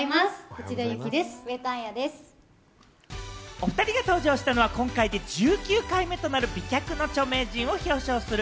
おふたりが登場したのは、今回で１９回目となる美脚の著名人を表彰する